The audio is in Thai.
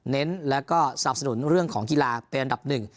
เน้นแล้วก็สนับสนุนเรื่องของกีฬาเป็นอันดับหนึ่ง